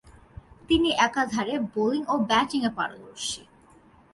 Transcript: তিনি একাধারে বোলিং ও ব্যাটিংয়ে পারদর্শী।